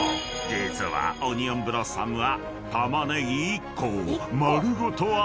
実はオニオンブロッサムは］